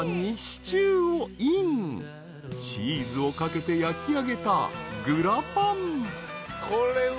［チーズをかけて焼きあげたグラパン］